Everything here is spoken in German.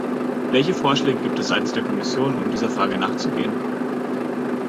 Welche Vorschläge gibt es seitens der Kommission, um dieser Frage nachzugehen?